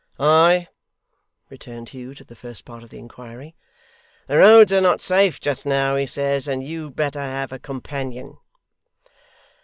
'Aye!' returned Hugh to the first part of the inquiry. 'The roads are not safe just now, he says, and you'd better have a companion.